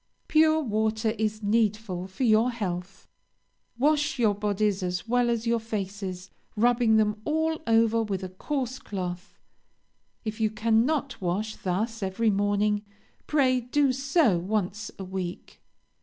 "Pure water is needful for your health. Wash your bodies as well as your faces, rubbing them all over with a coarse cloth. If you cannot wash thus every morning, pray do so once a week.